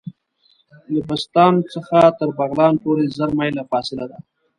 له بسطام څخه تر بغلان پوري زر میله فاصله ده.